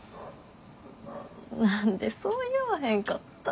何でそう言わへんかったん。